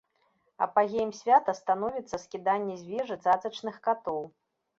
Апагеем свята становіцца скіданне з вежы цацачных катоў.